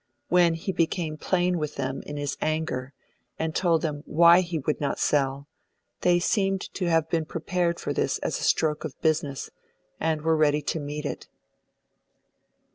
When he became plain with them in his anger, and told them why he would not sell, they seemed to have been prepared for this as a stroke of business, and were ready to meet it.